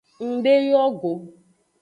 Ndeyo go.